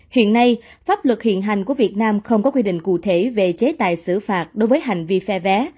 hiện nay pháp luật hiện hành của việt nam không có quy định cụ thể về chế tài xử phạt đối với hành vi phe vé